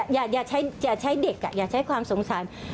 อย่าใช้เด็กอย่าใช้ความสงสาร